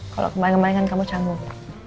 kalo kemaren kemaren kan kamu canggung